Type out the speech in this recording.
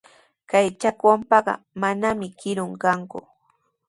Kay chakwanpaqa mananami kirun kanku.